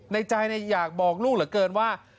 ในใจอยากบอกลูกเหลือเกินว่า